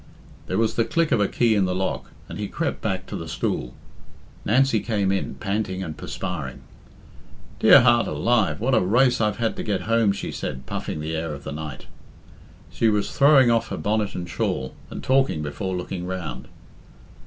There was the click of a key in the lock, and he crept back to the stool. Nancy came in, panting and perspiring. "Dear heart alive! what a race I've had to get home," she said, puffing the air of the night. She was throwing off her bonnet and shawl, and talking before looking round.